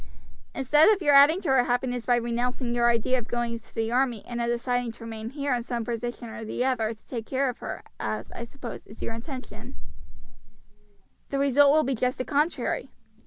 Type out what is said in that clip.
Instead of your adding to her happiness by renouncing your idea of going into the army, and of deciding to remain here in some position or other to take care of her, as, I suppose, is your intention, the result will be just the contrary.